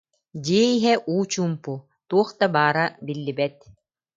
Дьиэ иһэ чуумпу, туох да баара биллибэт